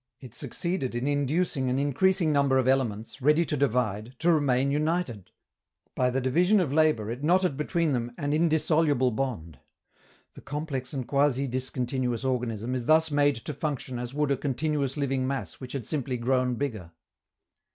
It succeeded in inducing an increasing number of elements, ready to divide, to remain united. By the division of labor it knotted between them an indissoluble bond. The complex and quasi discontinuous organism is thus made to function as would a continuous living mass which had simply grown bigger.